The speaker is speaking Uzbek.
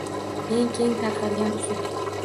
Eng keng tarqalgan usul.